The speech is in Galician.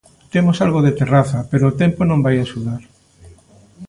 Temos algo de terraza, pero o tempo non vai axudar.